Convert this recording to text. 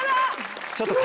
ちょっと。